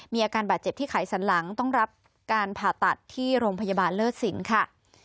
มีอาการบาดเจ็บที่ไขสันหลังต้องรับการผ่าตัดที่โรงพยาบาลเลิศสินค่ะ